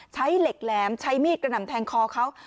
ใช้เหล็กแหลมใช้มีดกระหน่ำแทงคอเขา